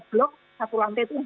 blok satu lantai itu ditutup